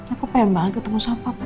aku pengen banget ketemu sama papa